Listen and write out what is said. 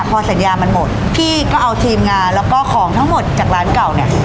พอสัญญามันหมดพี่ก็เอาทีมงานแล้วก็ของทั้งหมดจากร้านเก่าเนี่ย